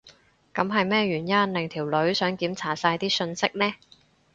噉係咩原因令條女想檢查晒啲訊息呢？